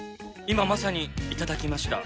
今まさに頂きました。